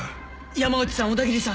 山内さん小田切さん